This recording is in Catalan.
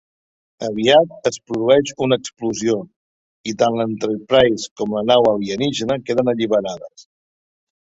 Aviat es produeix una explosió i tant l'"Enterprise" com la nau alienígena queden alliberades.